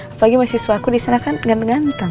apalagi mahasiswaku disana kan ganteng ganteng